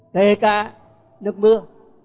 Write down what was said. thế cả nước mưa